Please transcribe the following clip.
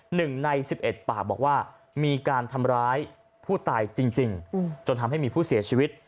หนึ่งในสิบเอ็ดปากบอกว่ามีการทำร้ายผู้ตายจริงจนทำให้มีผู้เสียชีวิต